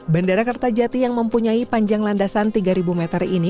bandara kertajati yang mempunyai panjang landasan tiga meter ini